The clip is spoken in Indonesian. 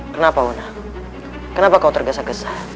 kenapa wana kenapa kau tergesa gesa